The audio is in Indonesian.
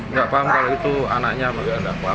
nggak paham kalau itu anaknya makanya anda paham